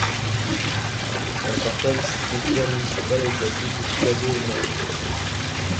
Elle partage ses frontières municipales avec la ville de Chicago au nord.